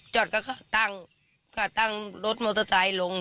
จอดก็ตั้งก็ตั้งรถมอเตอร์ไซค์ลง